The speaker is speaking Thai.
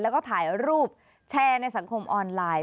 แล้วก็ถ่ายรูปแชร์ในสังคมออนไลน์